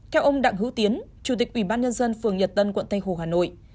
theo ông đặng hữu tiến chủ tịch ubnd phường nhật tân quận tây hồ hà nội